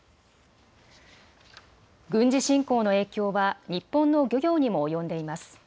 軍事侵攻の影響は日本の漁業にも及んでいます。